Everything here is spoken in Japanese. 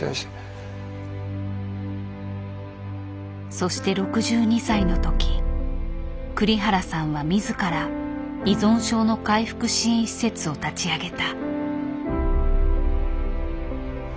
そして６２歳の時栗原さんは自ら依存症の回復支援施設を立ち上げた。